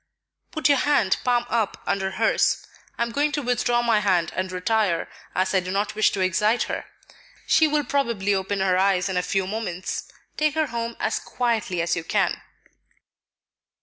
"Put your hand, palm up, under hers. I am going to withdraw my hand and retire, as I do not wish to excite her; she will probably open her eyes in a few moments. Take her home as quietly as you can."